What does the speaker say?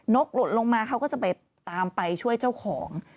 กหลุดลงมาเขาก็จะไปตามไปช่วยเจ้าของ